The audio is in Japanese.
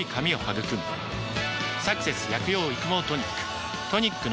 「サクセス薬用育毛トニック」